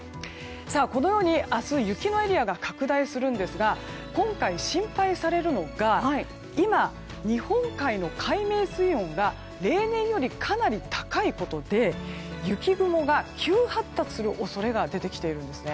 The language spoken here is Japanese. このように明日、雪のエリアが拡大するんですが今回、心配されるのが今、日本海の海面水温が例年よりかなり高いことで雪雲が急発達する恐れが出てきているんですね。